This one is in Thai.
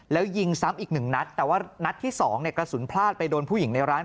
แล้วยิงซ้ำอีกหนึ่งนัดแต่ว่านัดที่สองเนี่ยกระสุนพลาดไปโดนผู้หญิงในร้าน